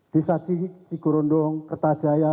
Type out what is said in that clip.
desa tigo rondong kertajaya